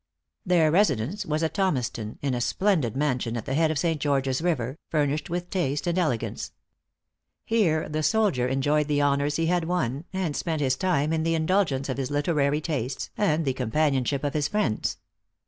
Their residence was at Thomaston, in a splendid mansion at the head of St. George's River, furnished with taste and elegance. Here the soldier enjoyed the honors he had won, and spent his time in the indulgence of his literary tastes, and the companionship of his friends.